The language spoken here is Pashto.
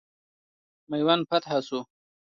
میوند فتح سو.